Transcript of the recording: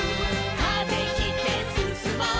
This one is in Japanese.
「風切ってすすもう」